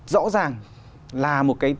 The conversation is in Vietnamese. rõ ràng là một cái